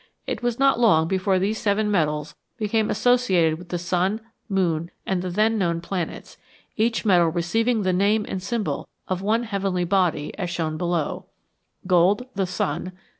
It was not long before these seven metals became associated with the sun, moon, and the then known planets, each metal receiving the name and symbol of one heavenly body as shown below : Gold .. The Sun